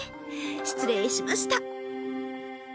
失礼しました。